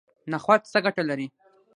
نخود څه ګټه لري؟